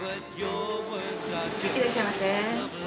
いってらっしゃいませ。